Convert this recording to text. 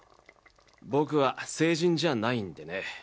僕は聖人じゃないんでね